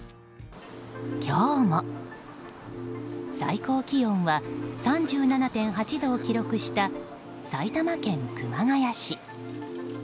今日も最高気温は３７．８度を記録した埼玉県熊谷市。